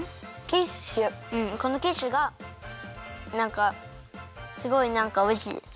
このキッシュがなんかすごいなんかおいしいです。